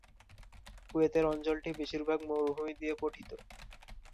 কুয়েতের অঞ্চলটি বেশিরভাগ মরুভূমি নিয়ে গঠিত।